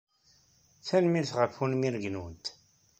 Tanemmirt ɣef unmireg-nwent.